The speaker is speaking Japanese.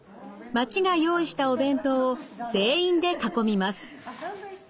町が用意したお弁当を全員で囲みます。